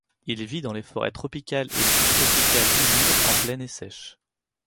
Il vit dans les forêts tropicales et subtropicales humides en plaine et sèches.